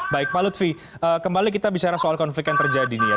baik pak lutfi kembali kita bicara soal konflik yang terjadi nih ya